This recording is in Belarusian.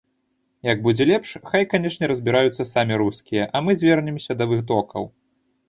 Як будзе лепш, хай, канешне, разбіраюцца самі рускія, а мы звернемся да вытокаў.